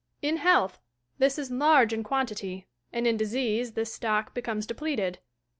In health, this is large in quantity, and in disease this stock becomes depleted.